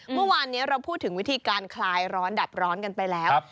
เมื่อวานนี้เราพูดถึงวิธีการคลายร้อนดับร้อนกันไปแล้ว